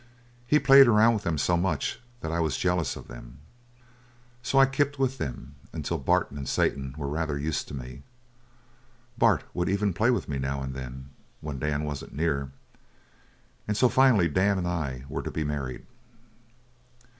He played around with them so much that I was jealous of them. So I kept with them until Bart and Satan were rather used to me. Bart would even play with me now and then when Dan wasn't near. And so finally Dan and I were to be married.